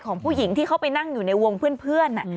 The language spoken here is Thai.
ของผู้หญิงที่เขาไปนั่งอยู่ในวงเพื่อน